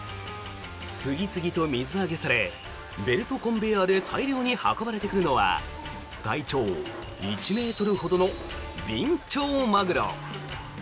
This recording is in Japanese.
次々と水揚げされベルトコンベヤーで大量に運ばれてくるのは体長１ｍほどのビンチョウマグロ。